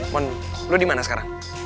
mon lo dimana sekarang